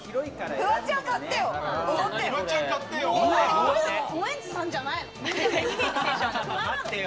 フワちゃん買ってよ。